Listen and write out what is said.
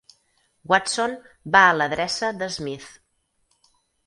Watson va a l'adreça de Smith.